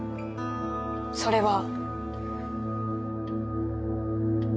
それは。